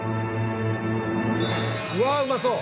うわあうまそう！